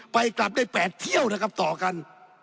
ไปกลับได้๘เที่ยวนะครับต่อกัน